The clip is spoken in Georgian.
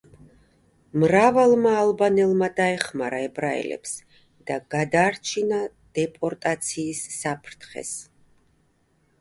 მრავალმა ალბანელმა დაეხმარა ებრაელებს და გადაარჩინა დეპორტაციის საფრთხეს.